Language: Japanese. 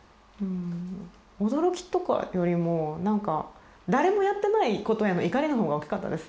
驚きとかよりもなんか誰もやってないことへの怒りのほうが大きかったです。